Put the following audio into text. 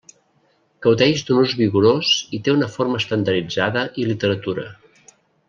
Gaudeix d'un ús vigorós i té una forma estandarditzada i literatura.